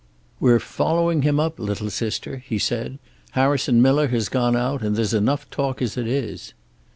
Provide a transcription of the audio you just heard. "We're following him up, little sister," he said. "Harrison Miller has gone out, and there's enough talk as it is."